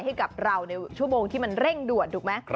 ให้กับเราในชั่วโมงที่มันเร่งด่วนถูกไหม